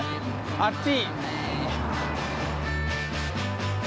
あっち。